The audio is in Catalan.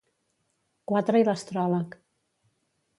Quatre i l'astròleg.